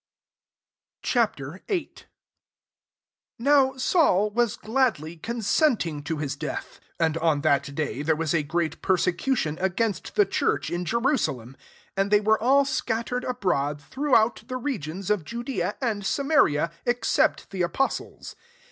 Ch. VIII. 1 Now Saul was gladly consenting to his death. And on that day there was a great persecution against the church, in Jerusalem : and they were all scattered abroad throughout the regions of Judea and Samaria, except the apos tles.